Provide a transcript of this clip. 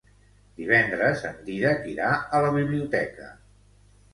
Divendres en Dídac irà a la biblioteca.